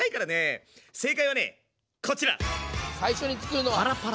正解はねこちら！